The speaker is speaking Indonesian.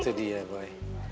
itu dia boy